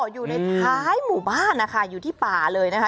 อยู่ในท้ายหมู่บ้านนะคะอยู่ที่ป่าเลยนะคะ